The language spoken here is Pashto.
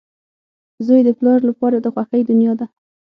• زوی د پلار لپاره د خوښۍ دنیا ده.